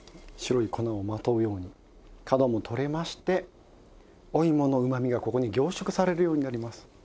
白い粉をまとうように角も取れましておいものうまみがここに凝縮されるようになります。